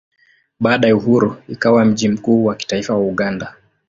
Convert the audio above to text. Baada ya uhuru ikawa mji mkuu wa kitaifa wa Uganda.